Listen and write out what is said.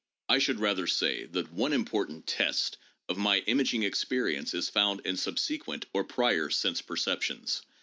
I should rather say that one important test of my imaging experience is found in subse quent or prior sense perceptions.